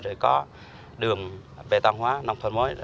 rồi có đường về tăng hóa năng thuận mới